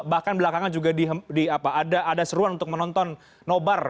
bahkan belakangan juga ada seruan untuk menonton nobar